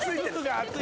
熱い！